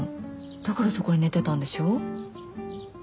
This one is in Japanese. だからそこに寝てたんでしょ。